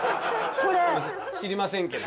知りませんけど。